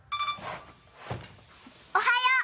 おはよう！